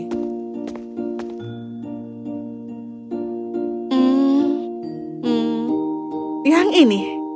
hmm hmm yang ini